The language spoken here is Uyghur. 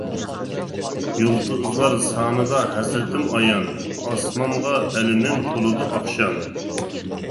يۇلتۇزلار سانىدا ھەسرىتىم ئايان، ئاسمانغا ئەلىمىم تولىدۇ ئاخشام.